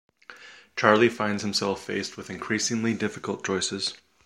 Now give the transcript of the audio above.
Charley finds himself faced with increasingly difficult choices.